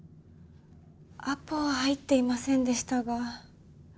アポは入っていませんでしたが。